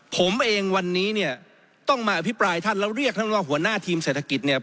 ผมเองวันนี้เนี่ยต้องมาอภิปรายท่านแล้วเรียกท่านว่าหัวหน้าทีมเศรษฐกิจเนี่ย